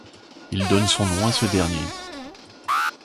Il donne son nom à ce dernier.